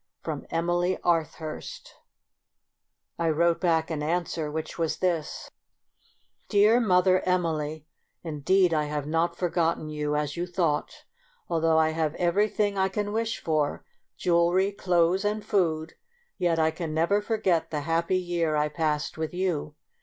From Emily Arthurst. I wrote back an answer which was this :— 38 MEMOIRS OF A Dear Mother Emily, — Indeed I have not forgotten you, as you thought. Although I have every thing I can wish for, jewelry, clothes, and food, yet I can never forget the hap py year I passed with you.